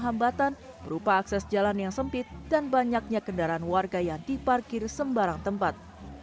hambatan berupa akses jalan yang sempit dan banyaknya kendaraan warga yang diparkir sembarang tempat